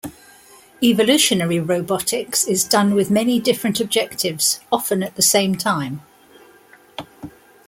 Evolutionary robotics is done with many different objectives, often at the same time.